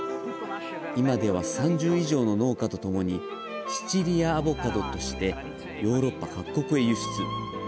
今では、３０以上の農家とともにシチリアアボカドとしてヨーロッパ各国へ輸出。